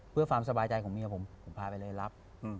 เพื่อความสบายใจของเมียผมผมพาไปเลยรับ